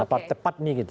nah tepat nih gitu